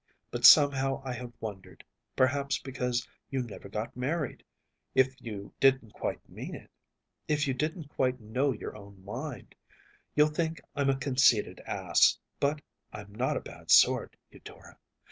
But somehow I have wondered perhaps because you never got married if you didn’t quite mean it, if you didn’t quite know your own mind. You’ll think I’m a conceited ass, but I’m not a bad sort, Eudora.